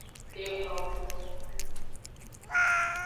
Exlon.